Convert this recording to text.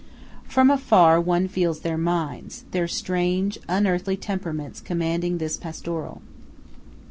From afar one feels their minds, their strange, unearthly temperaments commanding this pastoral.